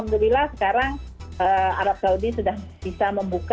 tapi alhamdulillah sekarang arab saudi sudah bisa membuka ya